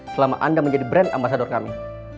selama anda menjadi brand ambasador kami